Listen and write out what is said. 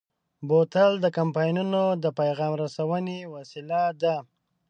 بوتل د کمپاینونو د پیغام رسونې وسیله ده.